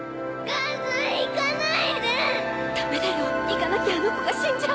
ダメだよ行かなきゃあの子が死んじゃ